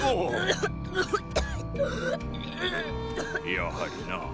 やはりな。